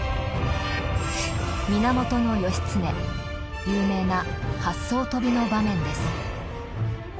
源義経有名な八艘飛びの場面です。